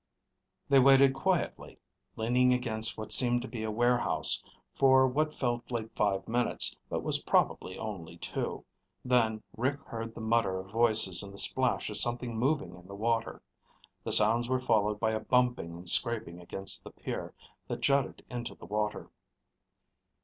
They waited quietly, leaning against what seemed to be a warehouse, for what felt like five minutes but was probably only two. Then Rick heard the mutter of voices and the splash of something moving in the water. The sounds were followed by a bumping and scraping against the pier that jutted into the water.